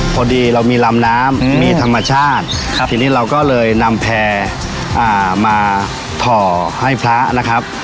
พอดีเรามีลำน้ำมีธรรมชาติทีนี้เราก็เลยนำแพร่มาถ่อให้พระนะครับ